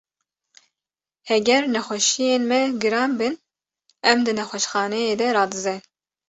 Heger nexweşiyên me giran bin, em di nexweşxaneyê de radizên.